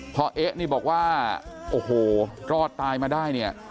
พอเอ๊ะก็บอกว่าโอ้โฮรอดตายมาได้